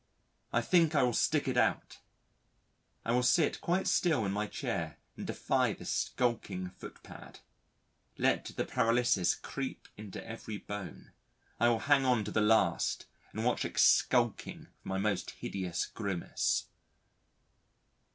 I think I will stick it out I will sit quite still in my chair and defy this sculking footpad let the paralysis creep into every bone, I will hang on to the last and watch it skulking with my most hideous grimace.